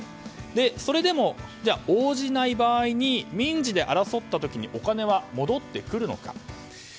それでも、応じない場合に民事で争った時にお金は戻ってくるのか。